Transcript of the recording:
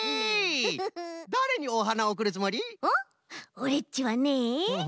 オレっちはね